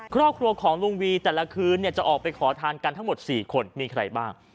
ครอบครัวของลุงวีแต่ละคืนจะออกไปขอทานกันทั้งหมด๔คนมีใครบ้าง